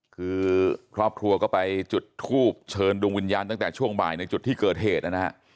คือครอบครัวก็ไปจุดทูบเชิญดวงวิญญาณตั้งแต่ช่วงบ่ายในจุดที่เกิดเหตุนะฮะ